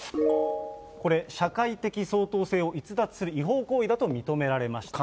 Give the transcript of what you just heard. これ、社会的相当性を逸脱する違法行為だと認められました。